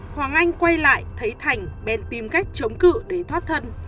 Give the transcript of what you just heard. hoàng anh quay lại thấy thành bên tìm cách chống cự để thoát thân